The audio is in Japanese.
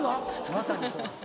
まさにそうです